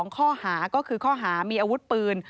ข้อหาก็คือข้อหามีอาวุธปืน